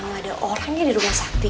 kenapa gak ada orangnya di rumah sakti